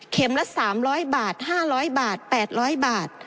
ละ๓๐๐บาท๕๐๐บาท๘๐๐บาท